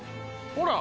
ほら！